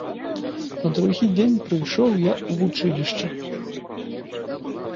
На другі дзень прыйшоў я ў вучылішча.